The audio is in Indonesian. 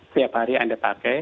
setiap hari anda pakai